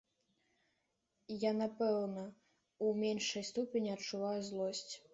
Я, напэўна, у меншай ступені адчуваю злосць.